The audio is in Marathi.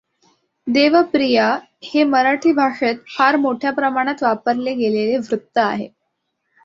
देवप्रिया हे मराठी भाषेत फार मोठ्या प्रमाणात वापरले गेलेले वृत्त आहे.